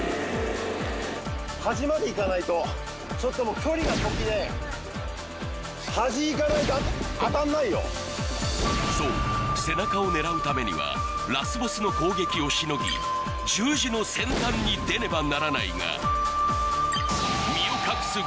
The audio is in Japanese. ・うわっ春日かそう背中を狙うためにはラスボスの攻撃をしのぎ十字の先端に出ねばならないがどうする？